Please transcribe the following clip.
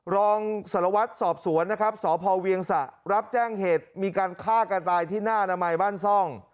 รองสารวัตรสอบสวนนะครับสพเวียงสะรับแจ้งเหตุมีการฆ่ากันตายที่หน้าอนามัยบ้านซ่อง